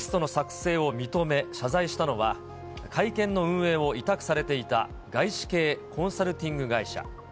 リストの作成を認め、謝罪したのは、会見の運営を委託されていた外資系コンサルティング会社。